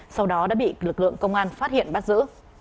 sau đó đã bị lực lượng công an phát hiện bắt giữ